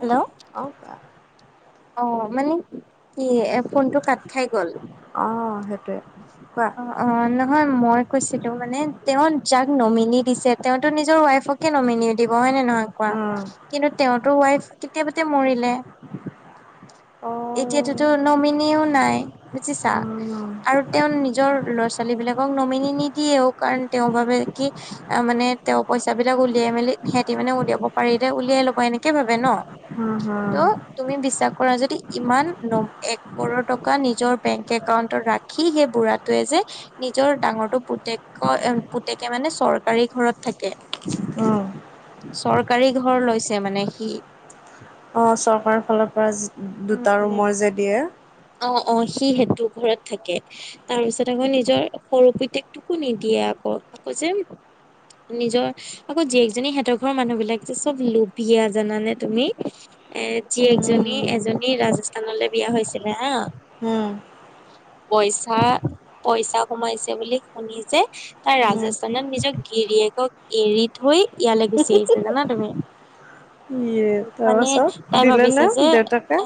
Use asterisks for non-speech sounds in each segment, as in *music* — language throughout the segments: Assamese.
হেল্ল'। অ কোৱা। অ মানে কি এ ফোনটো কাট খাই গ'ল। অ সেইটোৱে, কোৱা। অ অ নহয় মই কৈছিলো মানে তেওঁ যাক নমিনী দিছে তেওঁতো নিজৰ ৱাইফক কে নমিনি দিব হয় নে নহ নাইকোৱা উম। কিন্তু তেওঁৰতো ৱাইফ কেতিয়াবাতে মৰিলে। অ', এতিয়াততো নমিনীও নাই, বুজিছা? উম, আৰু তেওঁ নি ল'ৰা-ছোৱালী বিলাকক নমিনী নিদিয়েও কাৰণ তেওঁ ভাবে কি অ মানে তেওঁ পইচাবিলাক উলিয়াই মেলি সিহেতি মানে উলিয়াব পাৰিলে উলিয়াই লব এনেকে ভাবে ন? উম হম। ত' তুমি বিশ্বাস কৰা যদি ইমান নম এক কৰৰ টকা নিজৰ বেংক একাউণ্টত ৰাখি সেই বুঢ়া টোয়ে যে নিজৰ ডাঙৰটো পুতেকৰ পুতেকে মানে চৰকাৰী ঘৰত থাকে। অ। চৰকাৰী ঘৰ লৈছে মানে সি। অঁ চৰকাৰৰ ফালৰ পৰা উম দুটা উম ৰুমৰ যে দিয়ে। অ অ সি সেইটো ঘৰত থাকে। তাৰ পিছত আকৌ নিজৰ সৰু পিতেকটোকো নিদিয়ে আকৌ। আকৌ যে নিজৰ আকৌ জীয়েকজনী সিহঁতৰ ঘৰৰ মানুহ বিলাক যে চব লুভীয়া জানানে তুমি? এ জীয়েকজনী উম, এজনী ৰাজস্থানলে বিয়া হৈছিলে হা। হম, পইচা-পইচা সোমাইছে বুলি শুনি যে তাই হম। ৰাজস্থানত নিজক গিৰিয়েকক এৰি থৈ ইয়ালে গুচি আহিছে জানা তুমি? ইয়ে মানে তাৰপাছত তাই দিলে নে ভাবিছে যে দেউতাকে?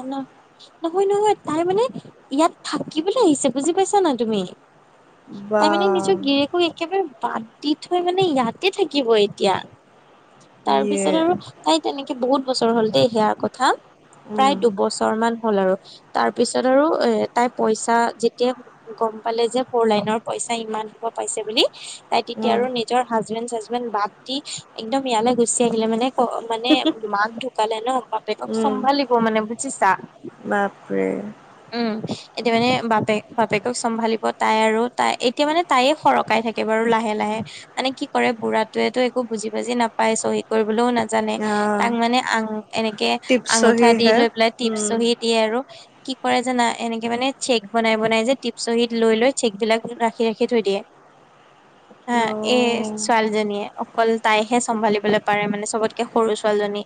নহয় নহয় তাই মানে ইয়াত থাকিবলৈ আহিছে বুজি পাইছা নাই তুমি? বা তাই মানে নিজৰ গিৰিয়েকক একেবাৰে বাদ দি থৈ মানে ইয়াতে থাকিব এতিয়া। তাৰ ইয়ে পিছত আৰু তাই তেনেকে বহুত বছৰ হ'ল দেই সেয়াৰ কথা। উম, দুবছৰ মান হ'ল আৰু তাৰ পিছত আৰু এ তাই পইচা যেতিয়াই গম পালে যে ফৰ লাইনৰ পইচা ইমান সোপা পাইছে বুলি তাই তেতিয়া উম, আৰু নিজৰ হাজবেণ্ড-চাচবেণ্ড বাদ দি একদম ইয়ালে গুচি আহিলে মানে ত' মানে মাক ঢুকালে ন বাপেকক উম। চম্ভালিব মানে, বুজিছা? বাপৰে। উম, এতিয়া মানে বাপেক বাপেকক চম্ভালিব তাই আৰু তাই এতিয়া মানে তাইে সৰকাই থা এইবাৰো লাহে লাহে মানে কি কৰে বুঢ়াটোৱেতো একো বুজি বাজি নাপায় চহী কৰিবলৈও নেজানে ইস্ ই আহ তাক মানে আঙ এনেকে টিপছ আঙুঠা দি চহীহে লৈ পেলাই টিপ উম। চহি দিয়ে আৰু ইস্ কি কৰে জানা এনেকে মানে চেক বনাই বনাই যে টিপচহী লৈ লৈ চেক বিলাক ৰাখি ৰাখি থৈ দিয়ে। *inaudible* হা এই অ', ছোৱালীজনীয়ে অকল তাইহে চম্ভালিবলৈ পাৰে মানে চবতকে সৰু ছোৱালীজনী।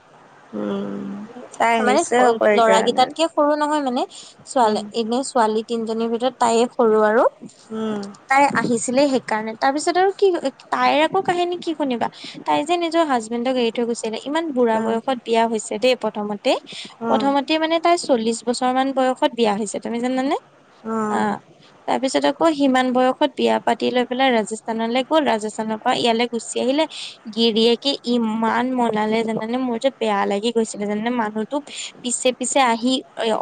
উম। এনেই আছো, তাই তাৰমানে আহিছে সৰু আকৌ সেইকাৰণে ল'ৰাৰাকেইটাতকে সৰু নহয় মানে উস্ স উম, ছোৱালী। নে ছোৱালী তিনজনীৰ ভিতৰত তাইয়ে সৰু আৰু উম। তাই আহিছিলে সেইকাৰণে তাৰ পিছত আৰু কি তাইৰ আকৌ কাহিনী কি শুনিবা। তাই যে নিজৰ হাজবেণ্ডক এৰি থৈ গৈছিলে ইমান ত' বুঢ়া বয়সত বিয়া হৈছে দেই প্ৰথমতে ইহ আ প্ৰথমতে মানে তাই চল্লিশ বছৰ মান বয়সত বিয়া হৈছে তুমি জানানে আ। তাৰ পিছত আকৌ সিমান বয়সত বিয়া পাতি লৈ পেলাই ৰাজস্থানলৈ গ'ল ৰাজস্থানৰ পৰা ইয়ালে। গুচি আহিলে ইহ গিৰিয়কে ইমান মনালে জানানে মোৰ যে বেয়া লাগি গৈছিলে যানানে মানুহটোক ইস্ পিছে পিছে আহি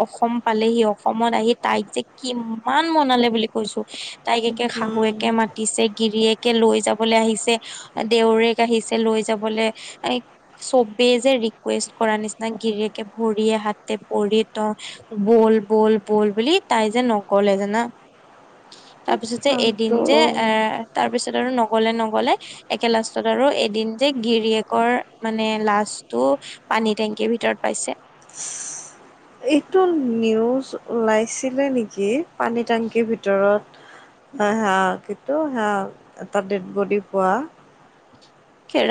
অসম পালেহি অসমত আহি তাইক যে কিমান মনালে বুলি কৈছো। ইস্ তাইক এতিয়া শাহুৱেকে মাতিছে গিৰিয়েকে লৈ যাবলৈ আহিছে। দেউৰেক আহিছে লৈ যাবলে ইস্ এক চবেই যে ৰিকুৱেষ্ট কৰাৰ নিচিনা গিৰিয়েকে ভৰিয়ে হাতে পৰি ত ইহ বল বল বল বুলি তাই যে নগলে জানা। সি ই ই তাৰপিছত যে এদিন যে এ তাৰ পিছত আৰু নগলে নগলে ইস্ একে লাষ্টত আৰু এদিন যে গিৰিয়েকৰ মানে লাছটো ইহ্ পানী টেংকিৰ ভিতৰত পাইছে। এইটো নিউজ ওলাইছিলে নেকি পানী টেংকিৰ ভিতৰত। হে হে আ কিন্তু সেয়া এটা ডেড বডি পোৱা।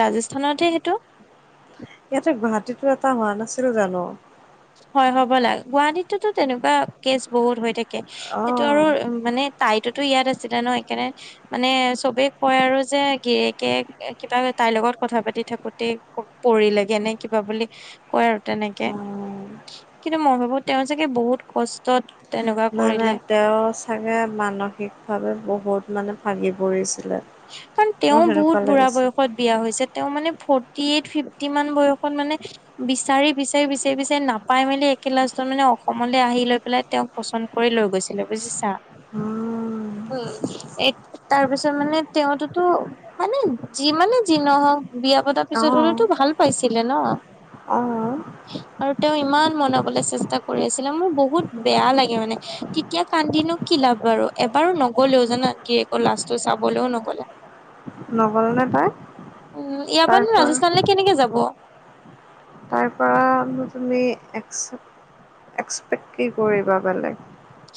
ৰাজস্থানতহে সেইটো। ইয়াতে গুৱাহাটীতো এটা হোৱা নাছিল জানো। হয় হ'ব লাগে গুৱাহাটীতেতো তেনেকুৱা কেচ বহুত হৈ থাকে ইহ্ ঠি অ সেইটো আৰু মানে তাইতো তোৰ ইয়াত আছিলে ন সেইকাৰণে। মানে চবে কয় আৰু যে গিৰেয়েকে কিবা তাইৰ লগত কথা পাতি থাকোতে ক পৰি লেগে নে কিবা বুলি ই ই স কয় আৰু তেনেকে। কিন্তু মই ভাবো তেওঁ চাগে বহুত কষ্টত তেনেকুৱা মানে কৰিলে। তেওঁ চাগে মানসিকভাৱে বহুত মানে ভাগি পৰিছে। ই হা কাৰণ তেওঁ বহুত বুঢ়া বয়সত। বিয়া হৈছে তেওঁ মানে ফৰটিএইট ফিফটি মান বয়সত মানে ই ই ই বিচাৰি বিচাৰি বিচাৰি বিচাৰি নাপাই মেলি একেই লাষ্টজন মানে অসমলৈ আহি লৈ পেলাই তেওঁক পচন্দ কৰি লৈ গৈছিলে বুজিছা। উম উ উ- উম এ তাৰপিছত মানে তেওঁতো মানে যিমানে যি নহওক বিয়া পতাৰ অ পিছত হলেতো ভাল পাইছিলে ন। অ আৰু তেওঁ ইমান মনাবলৈ চেষ্টা কৰি আছিলে মোৰ বহুত বেয়া লাগে মানে ইহ্ এতিয়া কান্দিনো কি লাভ বাৰু এবাৰো নগলেও জানা গিৰিয়েকৰ লাষ্ট তোৰ চাব লেও নগ'লে। নগ'ল নে তাই উম ইয়াৰ পৰানো তাৰপৰা। ৰাজস্থানলৈ কেনেকে যাব। তাৰ পৰা তুমি একচেপ্ট এক্সপেক্ট কি কৰিবা বেলেগ।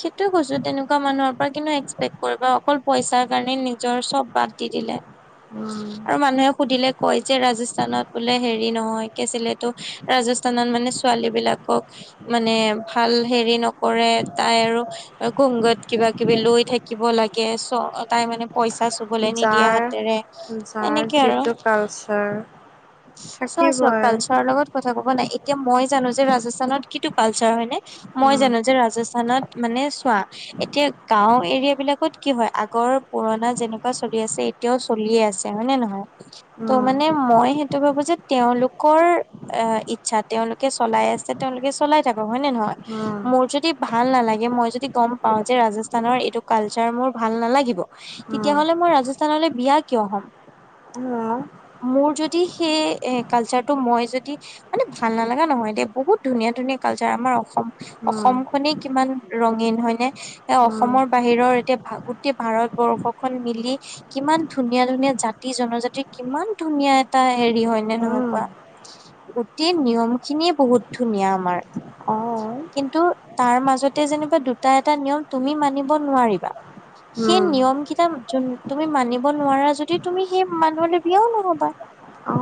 সেইটোৱে কৈছো তেনেকুৱা মানুহৰ পৰা কিনো এক্সপেক্ট কৰিবা অকল পইচাৰ কাৰণে নিজৰ চব বাদ দি দিলে। ছি ছি আৰু মানুহে সুধিলে কয় যে ৰাজস্থানত বোলে হেৰি নহয় কেছিলেতো ইহ্ ৰাজস্থানত মানে ছোৱালী বিলাকক সি ই ই মানে ভাল হেৰি নকৰে। তাই আৰু ইহ্--গংগত কিবা কিবি লৈ থাকিব লাগে চ তাই মানে পইচা চুবলৈ নিদিয়া যাৰ হাতেৰে ই ই যাৰ এনেকে আৰু যিটো কালচাৰ চোৱা চোৱা থাকিবই কালচাৰৰ লগত। এইটো কথা গম পোৱা নাই এতিয়া মই জানো যে ৰাজস্থানত কিটো কালচাৰ হয় নে ই ই, মই উম জানো যে ৰাজস মানত মানে চোৱা এতিয়া গাঁও এৰিয়া বিলাকত কি হয় আগৰ পুৰণা যেনেকুৱা চলি আছে তেওঁ চলিয়ে আছে হয়নে নহয় ত' উম মানে মই সেইটো ভাবো যে তেওঁলোকৰ অ ইচ্ছা তেওঁলোকে চলাই আছে তেওঁলোকে চলাই থাকক হয় নে নহয়। উম মোৰ যদি ভাল নালাগে মই যদি গম পাও যে ৰাজস্থানৰ এইটো কালচাৰ মোৰ ভাল নালাগিব উম তেতিয়াহ'লে মই ৰাজস্থানলৈ বিয়া কিয় হ'ম। অ'হ। মোৰ যদি সেই কালচাৰটো মই যদি মানে ভাল নালাগা নহয় দে বহুত ধুনীয়া ধুনীয়া কালচাৰ আমাৰ অসম উম অসম খনিক কিমান ৰঙীন হয় নে? এ উম অসমৰ বাহিৰৰ এতিয়া গোটেই ভাৰতবৰ্ষখন মিলি কিমান ধুনীয়া ধুনীয়া জাতি জনজাতিৰ কিমান ধুনীয়া এটা হেৰি হয় নে নহয় উম কোৱা? গোটেই নিয়ম খিনীয়ে বহুত ধুনীয়া আমাৰ অ কিন্তু তাৰ মাজতে যেনিবা দুটা এটা নিয়ম তুমি মানিব নোৱাৰিবা, সেই উম নিয়ম কেইটা যোন তুমি মানিব নোৱাৰা যদি তুমি সেই মানুহলৈ বিয়াও নহবা। অ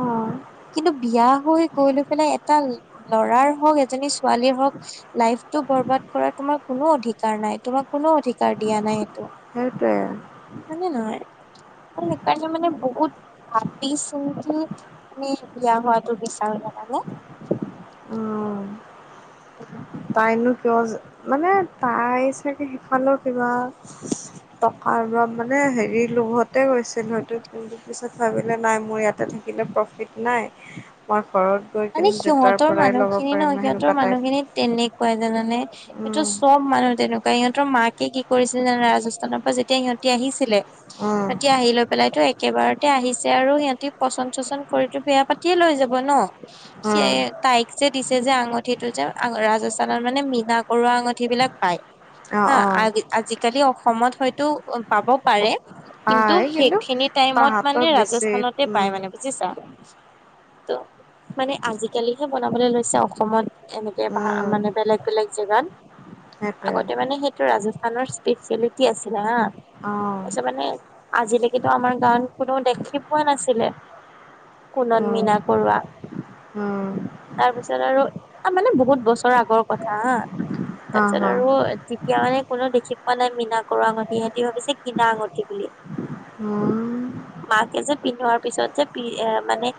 কিন্তু বিয়া হৈ গৈ লৈ পেলাই এটা লৰাৰ হওক এজনী ছোৱালীৰ হওক লাইফ টো বৰবাদ কৰা তোমাৰ কোনো অধিকাৰ নাই, তোমাক কোনো অধিকাৰ দিয়া নাই সেইটো। সেইটোৱে মানে নহয় মই সেইকাৰণে মানে বহুত ভাবি চিন্তি আমি বিয়া হোৱাটো বিচাৰোঁ জানা নে। উম উম। তাইনো কিয় মানে তাই চাগে সিফালেৰ কিবা টকাৰ ৰপ মানে হেৰি লোভতে গৈছিল হয়তো কিন্তু পিছত ভাবিলে নাই মোৰ ইয়াতে থা- কিলে প্ৰফিট নাই মই ঘৰত গৈ মানে কিনে দেউতাৰ সিহঁতৰ পৰাই ল'ব মানুহখিনি ন পাৰিম সিহঁতৰ সেনেকুৱা টাইপ মানুহখিনিত তেনেকুৱাই জানানে। এইটো উম চব মানুহ তেনেকুৱা সিহঁতৰ মাকে কি কৰিছিলে জানা, ৰাজস্থানৰ পৰা যেতিয়া সিহঁতি আহিছিলে উম সিহঁতি আহি লৈ পেলাইতো একেবাৰতে আহিছে আৰু সিহঁতি পচন চচন কৰিতো বেয়া পাতিয়ে লৈ যাব ন। *inaudible* ছে উম তাইক যে দিছে যে আঙঠিটো যে ৰাজস্থানত মানে মীনা কৰোৱা আঙঠি বিলাক পায়। অ হা অ আ আজিকালি অসমত হয়তো পাব পাৰে। কিন্তু সেইখিনি টাইমত মানে তাহাঁতৰ বেছি ৰাজস্থানতে পাই উম মানে বুজিছা। ত মানে আজিকালিহে বনাবলৈ লৈছে অসমত এনেকে ভা উম মানে বেলেগ বেলেগ জেগাত সেইটোৱে আগতে মানে সেইটো ৰাজস্থানৰ স্পেচিয়েলিটি আছিলে হা। অ তাৰপিছত মানে আজিলৈকেতো আমাৰ গাঁৱত কোনোও দেখি পোৱা নাছিলে কুণত মীনা কৰোৱা অ। তাৰ পিছত আৰু মানে বহুত বছৰ আগৰ কথা হা। তাৰ হা পিছত হা আৰু তেতিয়া মানে কোনো দেখি পোৱা নাই মীনা কৰোৱা আঙঠি সিহঁতি ভাবিছে কিনা আঙুঠি বুলি। *unintelligible* মাকে যে পিন্ধোৱাৰ পিছত যে পি মানে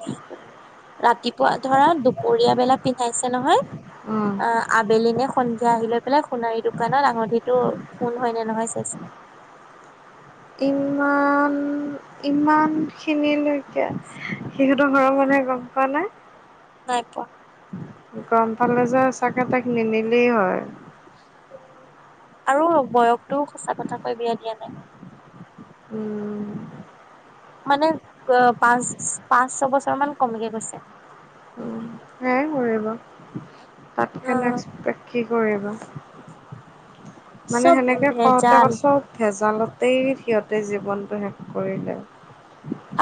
ৰাতিপুৱা ধৰা দুপৰীয়া বেলা পিন্ধাইছে নহয় উম অ আবেলি নে সন্ধিয়া আহি লৈ পেলাই সোণাৰী দোকানত আঙঠিটো সোন হয়নে নহয় চাইছ- ইমা- ইমান খিনিলৈকে সিহঁতৰ ঘৰৰ মানুহে গম পোৱা নাই। নাই পোৱা। গম পালে যে চাকে তাক নিনিলেই হয়। উম, আৰু বয়সতটোও সঁচা কথাকৈ বিয়া দিয়া নাই। উম, মানে অ পাঁচ পাঁচ ছয় বছৰ মান কমকে কৈছে। উ সেয় কৰিব, অ তাতকে এক্সপেকট কি কৰিবা। মানে চব সেনেকে কওঁতে ভেজাল চব ভেজালতেই সিহঁতে জীৱনটো শেষ কৰিলে।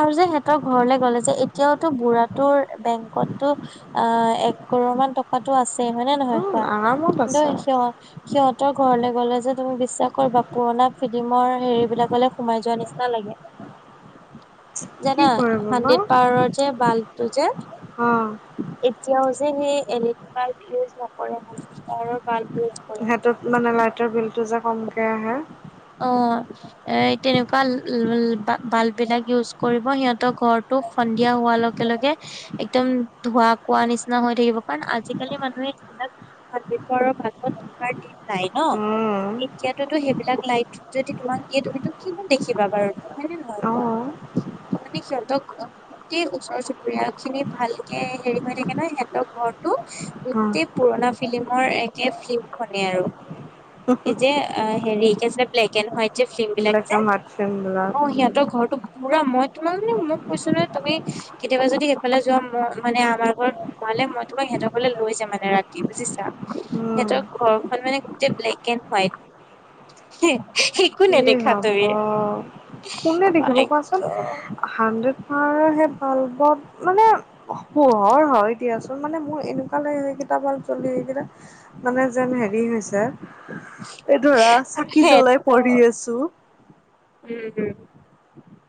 আৰু যে সিহতৰ ঘৰলে গ'লে যে, এতিয়াওতো বুঢ়াটোৰ বেংকতটো- অঁ এক কৰৰ মান টকাটো আছে, হয় নে নহয় উম, কোৱা, আৰামত কিন্তু আছে সি- সিহঁতৰ ঘৰলে গ'লে যে তুমি বিশ্বাস কৰিবা পূৰণা ফিল্মৰ হেৰি বিলাকলে- সোমাই যোৱা নিচিনা লাগে। কি জানা, কৰিব হাণ্ড্ৰেড পাৱাৰৰ যে বাল্বটো যে- উম এতিয়াও যে সেই L E D bulb use নকৰে হ ষ্টাৰৰ বাল্ব ইউজ- কৰে। সিহটোত মানে লাইটৰ বিলতটো যে কমকে আহে। অঁ, এ তেনেকুৱা বাল্ব বাল্ব বিলাক- ইউজ কৰিব, সিহঁতৰ ঘৰতো সন্ধিয়া হোৱাৰ লগে লগে- একদম ধোৱা কোৱা নিচিনা হৈ থাকিব, কাৰণ আজিকালি মানুহে যিবিলাক- সন্দীপৰৰ ভাগত থকাৰ দিন নাই ন, উম, এতিয়াতো সেইবিলাক লাইট- যদি তোমাক দিয়ে, তুমিতো কিমান দেখিবা বাৰু হয়নে নহয় কোৱা? অ'। ত' মানে কি হল ঘ - গোটেই ওচৰ চুবুৰীয়া খিনি ভালকে হেৰি হৈ থাকে নহয় সিহঁতৰ ঘৰটো- হ, গোটেই পুৰণা ফিল্মৰ একে ফিল্মখনেই আৰু। এই যে হেৰি কি আছিলে ব্লেক এণ্ড হোৱাইট। যে ফিল্ম বিলাক এইবিলাক যে, কাম হাত ফেম অঁ সিহঁতৰ বিলাক। ঘৰটো- পুৰা মই তোমাক মানে মোক কৈছো নহয় তুমি- কেতিয়াবা যদি এইফালে যোৱা মই মানে আমাৰ ঘৰত সোমালে মই তোমাক সিহঁতৰ ঘৰলে লৈ যাম মানে ৰা- তি, বুজিছা উম, সিহঁতৰ ঘৰখন মানে গোটেই ব্লেক এণ্ড হোৱাইট। একো কি নেদেখা হ'ব। তুমি অঁ। হানড্ৰেড পাৱাৰ সেই বাল্বত মানে- পোহৰ হয় দিয়াচোন মানে মোৰ এনেকুৱা লাগে যেইকেইটা বাল্ব জ্বলে সেইকেইটা- মানে যেন হেৰি হৈছে এই ধৰা চাকি সেত জ্বলাই পঢ়ি আছে। উম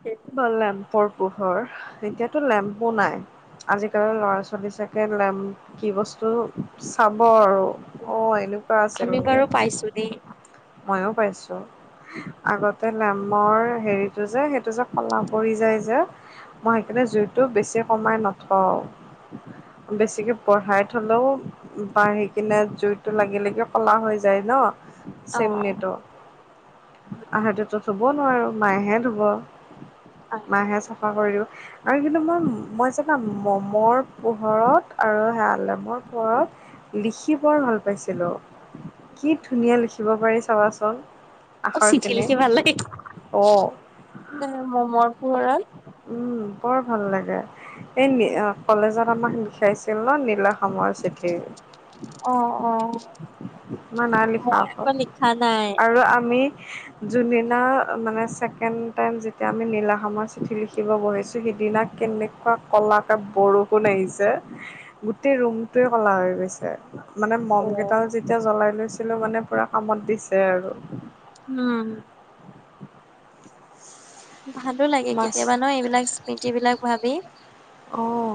উম। বা লেম্পৰ পোহৰ এতিয়াতো লেম্পো নাই। আজিকালি ল'ৰা ছোৱালী চাকে লেম কি বস্তু চাব উম আৰু- অ এনেুৱা আছিল আমি বাৰু এনকে। পাইছো দেই- ময়ো পাইছো। আগতে লেমৰ হেৰিটো যে সেইটো যে কলা পৰি যায় যে। মই সেইকাৰণে জুইটো বেছি কমাই নথওঁ। বেছিকে বঢ়াই থলো- বাঢ়ি কিনে জুইতটো লাগি লাগি কলা হৈ যায় ন। অ হয়। চেমনিটো, আহ হেতেতো ধুব নোৱাৰোঁ মায়েহে ধুব। মায়েহে চাফা কৰিও। আৰু কিন্তু মই মই জানা মমৰ পোহৰত আৰু সেয়া লেমৰ পোহৰত- লিখি বৰ ভাল পাইছিলোঁ, কি ধুনীয়া লিখিব পাৰি চাবাচোন। অ চিঠি আখৰখিনি লিখি ভাল লাগে, অ এ মমৰ পোহৰত। উম বৰ ভাল লাগে, এই কলেজত- মাহ লিখাইছিল ন নীলা খামৰ চিঠি - অঁ অঁ- ম‌ই নাই লিখা আক' নাই আৰু আমি যোন দিনা মানে ছেকেণ্ড টাইম যেতিয়া আমি নীলা খামৰ চিঠি লিখিব বহিছো সিদিনা কেনেকুৱা কলাকে বৰষুণ আহিছে। গোটেই ৰুমটোৱে কলা হৈ গৈছে। মানে মম অ। কেইডাল যেতিয়া জ্বলাই লৈছিলো মানে পুৰা কামত দিছে আৰু। উম ভালো লাগে মাছ কেতিয়াবা ন এইবিলাক স্মৃতি বিলাক ভাবি। অঁ